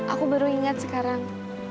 aku baru ingat sekarang